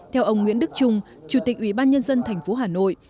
theo ông nguyễn đức trung chủ tịch ủy ban nhân dân thành phố hà nội